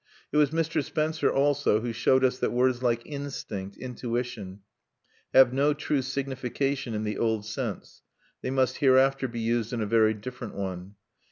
It was Mr. Spencer, also, who showed us that words like "instinct," "intuition," have no true signification in the old sense; they must hereafter be used in a very different one.